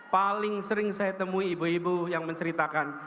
paling sering saya temui ibu ibu yang menceritakan